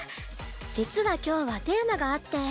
実は今日はテーマがあって。